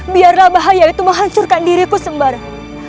biarlah bahaya itu menghancurkan diriku sembarang